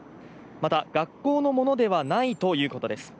また、学校のものではないということです。